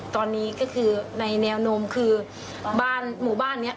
ตอนนี้ก็คือในแนวโน้มคือบ้านหมู่บ้านนี้